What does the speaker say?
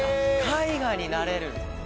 絵画になれる。